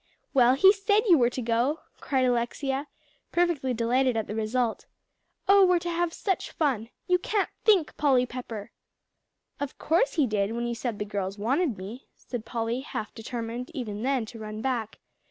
"Well, he said you were to go," cried Alexia, perfectly delighted at the result. "Oh, we're to have such fun! You can't think, Polly Pepper." "Of course he did, when you said the girls wanted me," said Polly, half determined, even then, to run back.